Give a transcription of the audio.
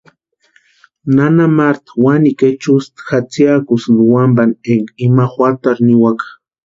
Nana Marta wanikwa echukʼa jatsiakukusïnti wampa énka ima juatarhu niwaka.